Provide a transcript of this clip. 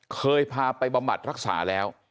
เคยพาไปประมาทรักษาแล้ว